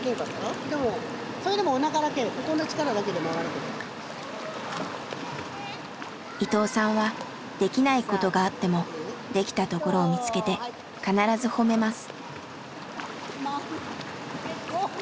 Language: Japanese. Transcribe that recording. そうそう今みたいに明香里伊藤さんはできないことがあってもできたところを見つけて必ずほめます。